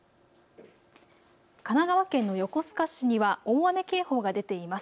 神奈川県の横須賀市には大雨警報が出ています。